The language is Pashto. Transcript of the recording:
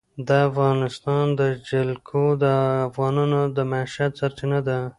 د افغانستان جلکو د افغانانو د معیشت سرچینه ده.